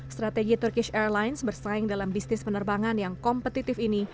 strategi turkish airlines bersaing dalam bisnis penerbangan yang kompetitif ini